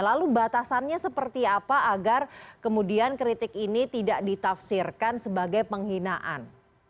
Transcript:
lalu batasannya seperti apa agar kemudian kritik ini tidak ditafsirkan sebagai penghinaan